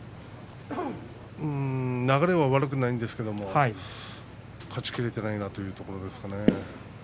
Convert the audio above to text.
流れは悪くないんですけれど勝ち切れていないなと言うところですよね。